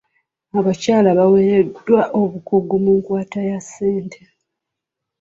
Abakyala baweereddwa obukugu mu nkwata ya ssente.